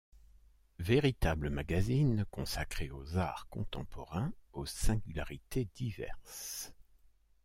Véritable magazine consacré aux arts contemporains, aux singularités diverses.